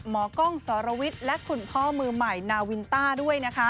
หมอกล้องสรวิทย์และคุณพ่อมือใหม่นาวินต้าด้วยนะคะ